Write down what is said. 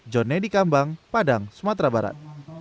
jonnedi kambang padang sumatera barat